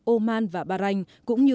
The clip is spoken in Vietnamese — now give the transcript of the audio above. oman và bahrain cũng như